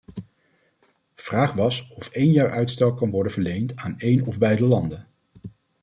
Vraag was of één jaar uitstel kan worden verleend aan één of beide landen.